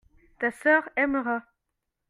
ta sœur aimera.